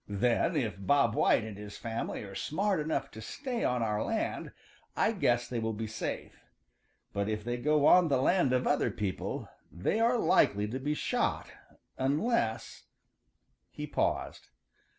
"Then if Bob White and his family are smart enough to stay on our land I guess they will be safe, but if they go on the land of other people they are likely to be shot unless " he paused.